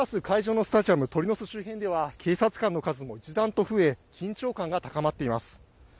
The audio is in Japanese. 会場のスタジアム鳥の巣周辺では警察官の数も一段と増え緊張感が高まっています。